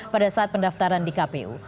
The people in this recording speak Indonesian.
pada saat pendaftaran di kpu